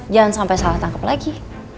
jangan sampai salah tangkep lagi